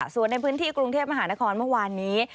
ส่วนในพื้นที่กรุงเทพมหานครเมื่อวานนี้